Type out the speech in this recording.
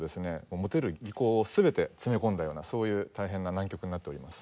持てる技巧を全て詰め込んだようなそういう大変な難曲になっております。